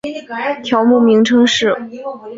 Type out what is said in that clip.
条目名称是